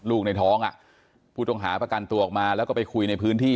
ในท้องอ่ะผู้ต้องหาประกันตัวออกมาแล้วก็ไปคุยในพื้นที่